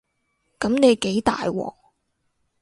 噉你幾大鑊